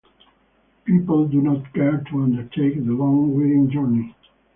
The people do not care to undertake the long weary journey.